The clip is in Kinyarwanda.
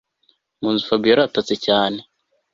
munzu Fabiora aratatse cyaneeeee……